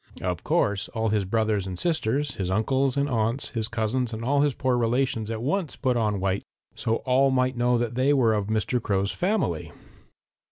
Of course all his brothers and sisters, his uncles and aunts, his cousins and all his poor relations at once put on white, that all might know that they were of Mr. Crow's family.